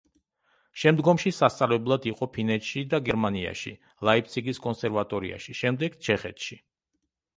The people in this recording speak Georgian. შემდგომში სასწავლებლად იყო ფინეთში და გერმანიაში, ლაიპციგის კონსერვატორიაში, შემდეგ ჩეხეთში.